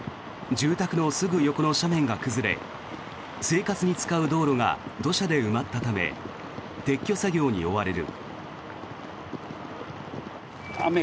住宅のすぐ横の斜面が崩れ生活に使う道路が土砂で埋まったため撤去作業に追われる。